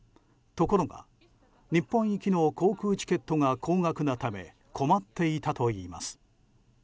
ところが日本行きの航空チケットが高額なため困っていたといいます。